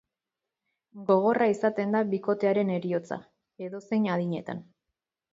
Gogorra izaten da bikotearen heriotza, edozein adinetan.